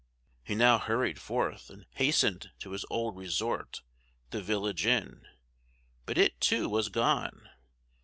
He now hurried forth, and hastened to his old resort, the village inn but it too was gone.